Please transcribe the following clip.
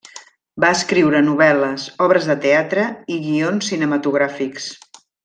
Va escriure novel·les, obres de teatre i guions cinematogràfics.